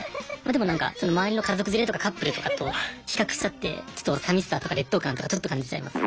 でもなんか周りの家族連れとかカップルとかと比較しちゃってちょっと寂しさとか劣等感とかちょっと感じちゃいます。